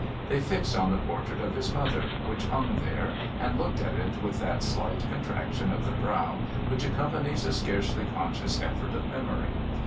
They fixed on the portrait of his mother, which hung there, and looked at it with that slight contraction of the brow which accompanies a scarcely conscious effort of memory.